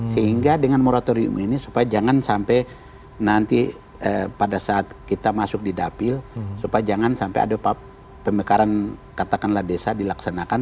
sehingga dengan moratorium ini supaya jangan sampai nanti pada saat kita masuk di dapil supaya jangan sampai ada pemekaran katakanlah desa dilaksanakan